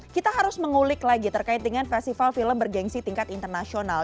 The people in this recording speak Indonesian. kita harus mengulik lagi terkait dengan festival film bergensi tingkat internasional